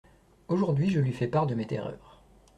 Aujourd’hui, je lui fais part de mes terreurs…